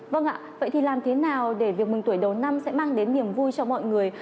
vâng ạ vậy thì làm thế nào để việc mừng tuổi đầu năm sẽ mang đến niềm vui cho mọi người